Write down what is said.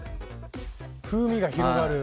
風味が広がる。